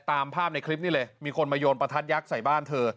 ตามภาพในคลิปนี้เลยมีคนมาโยนประทัดยักษ์ใส่บ้านเธอ